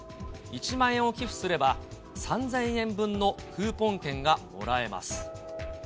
１万円を寄付すれば、３０００円分のクーポン券がもらえます。